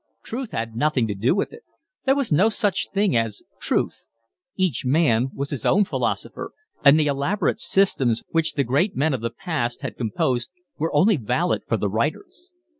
Truth had nothing to do with it. There was no such thing as truth. Each man was his own philosopher, and the elaborate systems which the great men of the past had composed were only valid for the writers.